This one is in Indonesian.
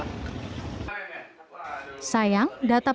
sayang data peminjaman ini tidak berhasil